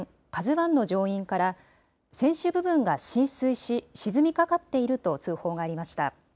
ＫＡＺＵわんの乗員から、船首部分が浸水し、沈みかかっていると通報がありました。